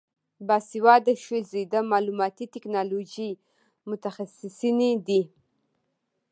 باسواده ښځې د معلوماتي ټیکنالوژۍ متخصصینې دي.